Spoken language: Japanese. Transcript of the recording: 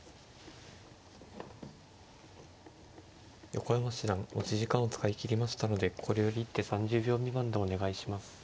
横山七段持ち時間を使い切りましたのでこれより一手３０秒未満でお願いします。